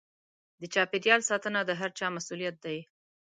د چاپېريال ساتنه د هر چا مسووليت دی.